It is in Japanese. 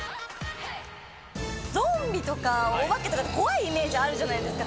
ゾンビとかお化けとかって怖いイメージあるじゃないですか。